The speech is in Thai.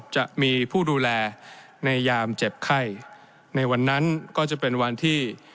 จะมีผู้ดูแลในยามเจ็บไข้ในวันนั้นก็จะเป็นวันที่